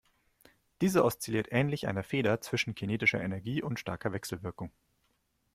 Diese oszilliert ähnlich einer Feder zwischen kinetischer Energie und starker Wechselwirkung.